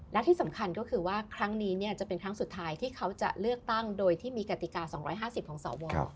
และที่สำคัญก็คือว่าครั้งนี้จะเป็นครั้งสุดท้ายที่เขาจะเลือกตั้งโดยที่มีกติกา๒๕๐ของสว